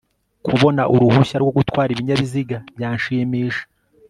Kubona uruhushya rwo gutwara ibinyabiziga byanshimisha